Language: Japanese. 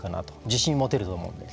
自信持てると思うので。